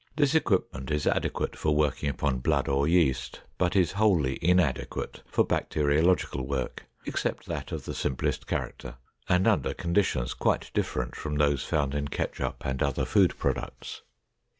This equipment is adequate for working upon blood or yeast, but is wholly inadequate for bacteriological work, except that of the simplest character and under conditions quite different from those found in ketchup and other food products.